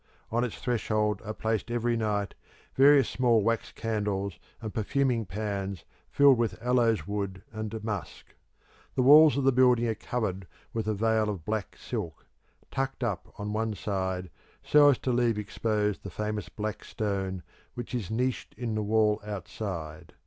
On its threshold are placed every night various small wax candles and perfuming pans filled with aloeswood and musk. The walls of the building are covered with a veil of black silk, tucked up on one side, so as to leave exposed the famous Black Stone which is niched in the wall outside.